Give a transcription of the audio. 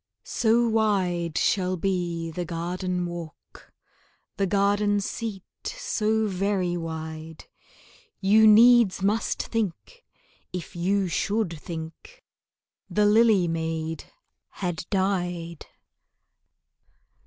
So wide shall be the garden walk, The garden seat so very wide, You needs must think if you should think The lily maid had died.